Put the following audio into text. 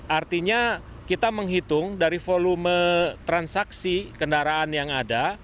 artinya kita menghitung dari volume transaksi kendaraan yang ada